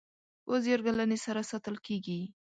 په زیار ګالنې سره ساتل کیږي.